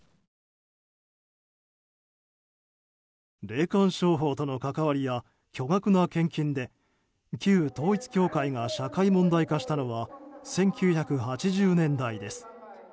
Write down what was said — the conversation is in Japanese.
霊感商法との関わりや巨額な献金で旧統一教会が社会問題化したのは１９８０年代です。